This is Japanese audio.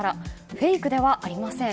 フェイクではありません。